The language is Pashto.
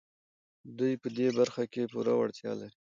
دوی په دې برخه کې پوره وړتيا لري.